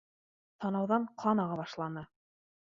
Танауҙан ҡан аға башланы.